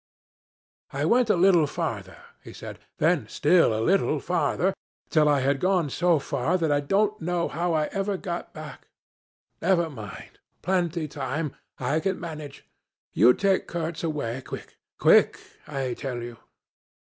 'I went a little farther,' he said, 'then still a little farther till I had gone so far that I don't know how I'll ever get back. Never mind. Plenty time. I can manage. You take Kurtz away quick quick I tell you.'